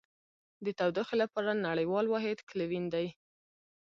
د تودوخې لپاره نړیوال واحد کلوین دی.